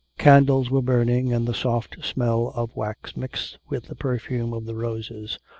Candles were burning, and the soft smell of wax mixed with the perfume of the roses.